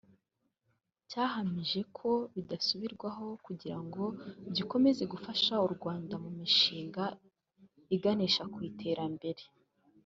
cyahamije ko bidasubirwaho kugirango gikomeze gufasha u Rwanda mu mishinga iganisha ku iterambere